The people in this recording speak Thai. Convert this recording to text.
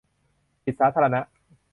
จิตสาธารณะ